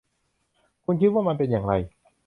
คุณคิดว่ามันเป็นอย่างไร